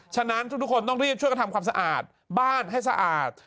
ฉะนั้นทุกคนต้องรีบช่วยกันทำความสะอาดบ้านให้สะอาด